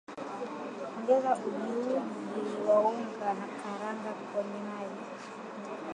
Ongeza ujiuji wa unga na karanga kwenye maji